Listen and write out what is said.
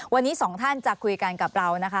วันนี้สองท่านจะคุยกันกับเรานะคะ